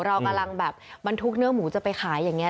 เรากำลังแบบบรรทุกเนื้อหมูจะไปขายอย่างนี้